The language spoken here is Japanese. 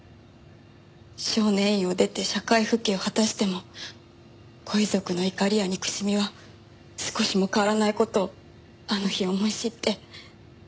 少年院を出て社会復帰を果たしてもご遺族の怒りや憎しみは少しも変わらない事をあの日思い知って。